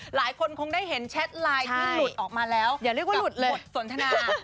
หลายคนคงได้เห็นแชทไลน์ที่หลุดออกมาแล้วอย่าเรียกว่าหลุดเลยบทสนทนา